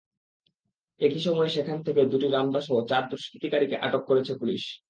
একই সময় সেখান থেকে দুটি রামদাসহ চার দুষ্কৃতকারীকে আটক করেছে পুলিশ।